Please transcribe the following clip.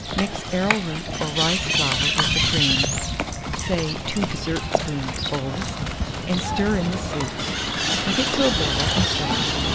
Mix arrowroot or rice flour with the cream (say 2 dessert spoonfuls), and stir in the soup; bring it to a boil, and serve.